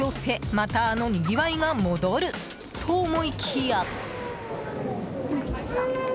また、あのにぎわいが戻ると思いきや。